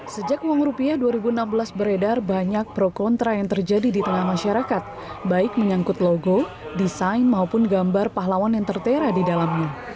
sejak uang rupiah dua ribu enam belas beredar banyak pro kontra yang terjadi di tengah masyarakat baik menyangkut logo desain maupun gambar pahlawan yang tertera di dalamnya